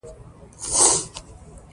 طلا د افغانانو د معیشت سرچینه ده.